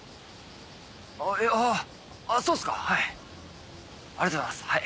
ああぁそうっすかはいありがとうございますはい。